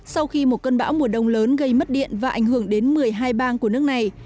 sau khi một cơn bão mùa đông lớn gây mất điện và ảnh hưởng đến một mươi hai bang của nước này